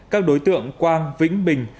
các đối tượng quang vĩnh bình